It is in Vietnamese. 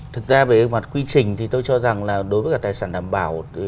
thực ra về mặt quy trình thì tôi cho rằng là đối với cả tài sản đảm bảo